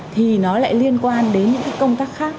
thì nó lại liên quan đến những công tác khác